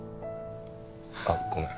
あっごめん。